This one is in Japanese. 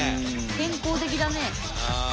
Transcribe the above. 健康的だね。